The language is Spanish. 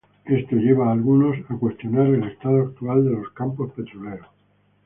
Esto causa a algunos a cuestionar el estado actual de sus campos petroleros.